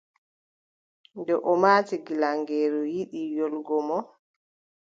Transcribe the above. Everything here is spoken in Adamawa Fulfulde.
Nde o maati gilaŋeeru yiɗi yoolgomo,